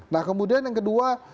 nah kemudian yang kedua